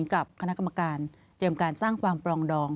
กับคณะกรรมการเตรียมการสร้างความปรองดอง